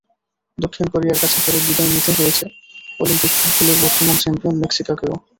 দক্ষিণ কোরিয়ার কাছে হেরে বিদায় নিতে হয়েছে অলিম্পিক ফুটবলের বর্তমান চ্যাম্পিয়ন মেক্সিকোকেও।